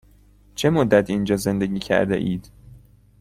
چه مدت اینجا زندگی کرده اید؟